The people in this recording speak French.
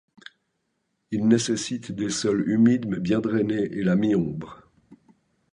Il nécessite des sols humides mais bien drainés et la mi-ombre.